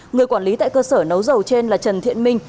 người quản lý tại cơ sở nấu dầu trên là trần thiện minh